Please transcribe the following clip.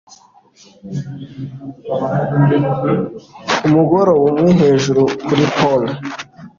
Ku mugoroba umwe hejuru kuri pole